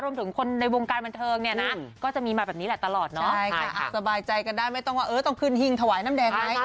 รวมถึงคนในวงการบันทึงเนียนะ